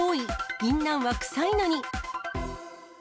ぎんなんは臭いのに。